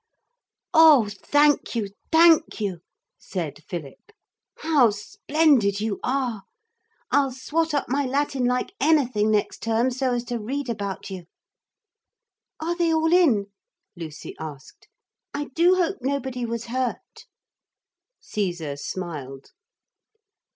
'Oh, thank you! thank you!' said Philip; 'how splendid you are. I'll swot up my Latin like anything next term, so as to read about you.' 'Are they all in?' Lucy asked. 'I do hope nobody was hurt.' Caesar smiled.